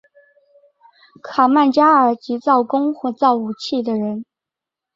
卡曼加尔即造弓或造武器的人。